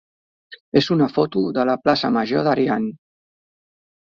és una foto de la plaça major d'Ariany.